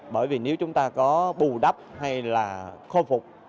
bởi vì nếu chúng ta có bù đắp hay là khôi phục